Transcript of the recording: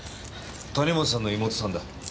谷本さんの妹さんだ。